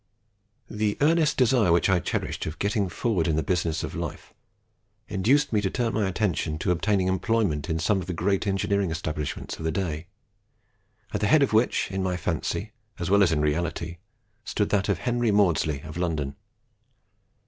"The earnest desire which I cherished of getting forward in the real business of life induced me to turn my attention to obtaining employment in some of the great engineering establishments of the day, at the head of which, in my fancy as well as in reality, stood that of Henry Maudslay, of London.